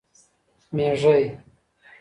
مېږی 🐜